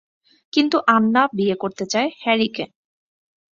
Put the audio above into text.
কিন্তু "আন্না" বিয়ে করতে চায় "হ্যারি"কে।